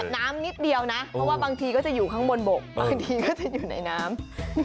นิดเดียวนะเพราะว่าบางทีก็จะอยู่ข้างบนบกบางทีก็จะอยู่ในน้ำ